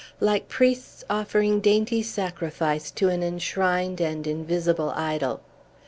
like priests offering dainty sacrifice to an enshrined and invisible idol.